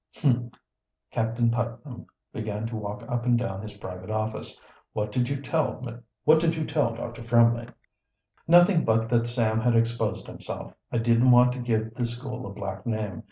"Humph!" Captain Putnam began to walk up and down his private office. "What did you tell Dr. Fremley?" "Nothing but that Sam had exposed himself. I didn't want to give the school a black name.